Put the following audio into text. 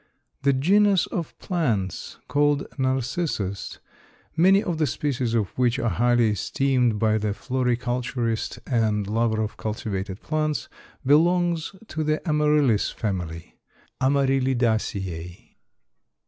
The genus of plants called Narcissus, many of the species of which are highly esteemed by the floriculturist and lover of cultivated plants, belongs to the Amaryllis family (_Amaryllidaceæ.